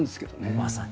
まさに。